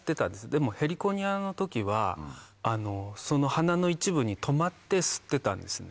でもヘリコニアの時はその花の一部に止まって吸ってたんですね。